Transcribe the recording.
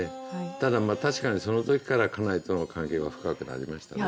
ただ確かにその時から家内との関係は深くなりましたね。